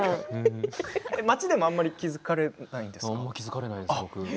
街でもあまり気付かれないんですか？